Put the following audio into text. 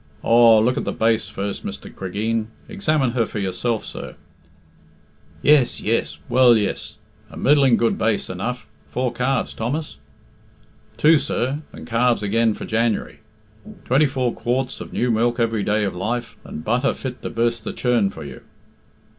"Aw, look at the base first, Mr. Cregeen. Examine her for yourself, sir." "Yes yes well, yes; a middling good base enough. Four calves, Thomas?" "Two, sir, and calves again for January. Twenty four quarts of new milk every day of life, and butter fit to burst the churn for you."